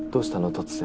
突然。